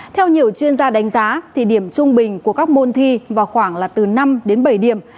theo nhiều chuyên gia đánh giá điểm trung bình của các môn thi vào khoảng là từ năm đến bảy điểm